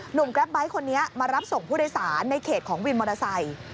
แกรปไบท์คนนี้มารับส่งผู้โดยสารในเขตของวินมอเตอร์ไซค์